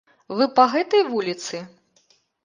Вы па гэтай вуліцы?